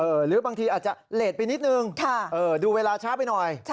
หรือบางทีอาจจะเลสไปนิดนึงดูเวลาช้าไปหน่อย